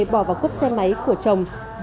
bỏ vào cốp xe máy của chồng